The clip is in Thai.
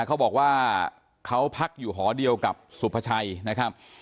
เขาบอกว่าเขาพักอยู่หอเดียวกับสุภาชัยนะครับ